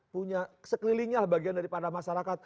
punya sekelilingnya lah bagian daripada masyarakat